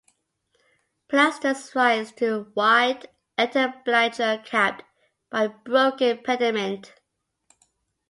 Pilasters rise to a wide entablature capped by a broken pediment.